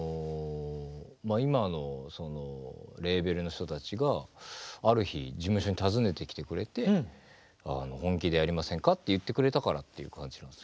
今のそのレーベルの人たちがある日事務所に訪ねてきてくれて「本気でやりませんか？」って言ってくれたからっていう感じです。